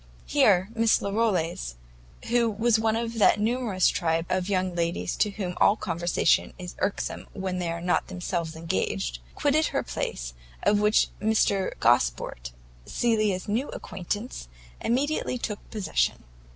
Here Miss Larolles, who was one of that numerous tribe of young ladies to whom all conversation is irksome in which they are not themselves engaged, quitted her place, of which Mr Gosport, Cecilia's new acquaintance, immediately took possession.